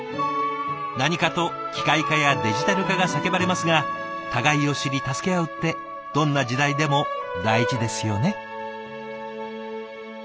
何かと機械化やデジタル化が叫ばれますが互いを知り助け合うってどんな時代でも大事ですよね。